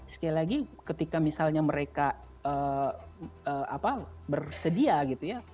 sekali lagi ketika misalnya mereka bersedia gitu ya